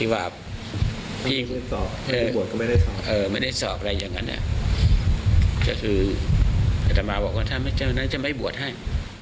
เออไม่สอบอะไรอย่างนั้นอาจจะคือทรมานบอกว่าถ้าไม่เจอฉันไม่บวชให้